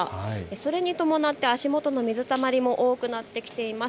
それに伴って足元の水たまりも多くなってきています。